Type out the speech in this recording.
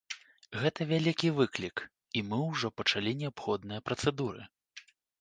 Гэта вялікі выклік, і мы ўжо пачалі неабходныя працэдуры.